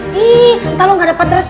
ihhh entah lu gak dapet restu